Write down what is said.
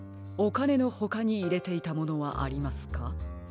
おかねのほかにいれていたものはありますか？